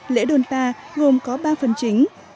lễ sendonta gồm có ba phần chính